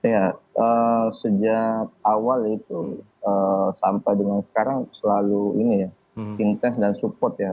ya sejak awal itu sampai dengan sekarang selalu ini ya intens dan support ya